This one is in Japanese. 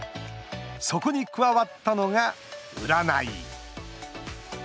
そこに加わったのが占い。